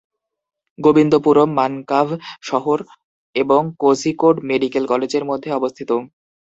গোবিন্দপুরম মানকাভ শহর এবং কোঝিকোড মেডিকেল কলেজের মধ্যে অবস্থিত।